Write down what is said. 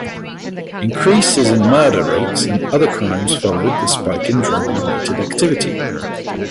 Increases in murder rates and other crime followed the spike in drug-related activity.